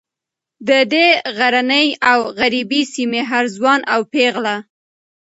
د دې غرنۍ او غریبې سیمې هر ځوان او پیغله